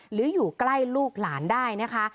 หรืออยู่ใกล้ลูกหลานได้นะคะ